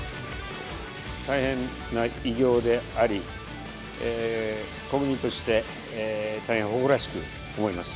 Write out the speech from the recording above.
大変な偉業であり、国民として大変誇らしく思います。